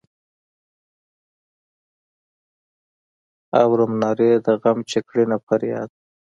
اورم نارې د غم چې کړینه فریاد.